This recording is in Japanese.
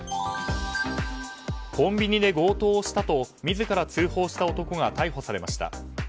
コンビニで強盗をしたと自ら通報した男が逮捕されました。